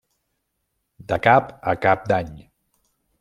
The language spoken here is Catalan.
De cap a cap d'any.